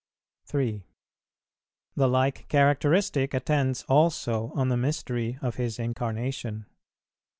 3. The like characteristic attends also on the mystery of His Incarnation.